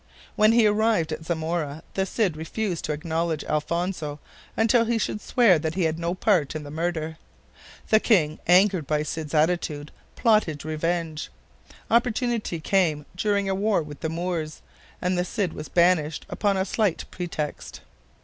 When he arrived at Zamora the Cid refused to acknowledge Alfonso until he should swear that he had no part in the murder. The king, angered by the Cid's attitude, plotted revenge. Opportunity came during a war with the Moors, and the Cid was banished upon a slight pretext.